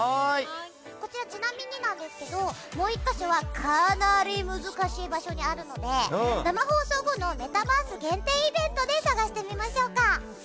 ちなみにですが、もう１か所はかなり難しい場所にあるので生放送後のメタバース限定イベントで探してみましょう。